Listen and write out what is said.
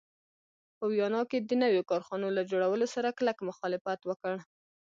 په ویانا کې د نویو کارخانو له جوړولو سره کلک مخالفت وکړ.